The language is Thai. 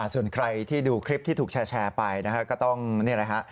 ส่วนใครที่ดูคลิปที่ถูกแชร์ไปนะคะ